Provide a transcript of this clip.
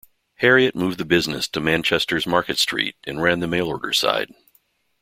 Harriet moved the business to Manchester's Market Street and ran the mail order side.